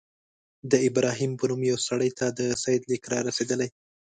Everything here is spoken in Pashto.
د ابراهیم په نوم یوه سړي ته د سید لیک را رسېدلی.